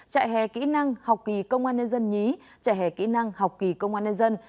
trại hè kỹ năng học kỳ công an nhân dân nhí trại hè kỹ năng học kỳ công an nhân dân